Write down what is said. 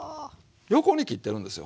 横に切ってるんですよ。